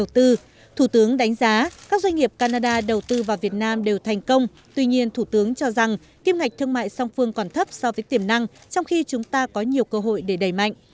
thủ tướng đánh giá các doanh nghiệp canada đầu tư vào việt nam đều thành công tuy nhiên thủ tướng cho rằng kim ngạch thương mại song phương còn thấp so với tiềm năng trong khi chúng ta có nhiều cơ hội để đẩy mạnh